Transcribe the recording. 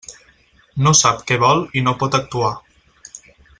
No sap què vol i no pot actuar.